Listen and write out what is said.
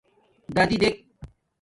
دادݵ دیکھ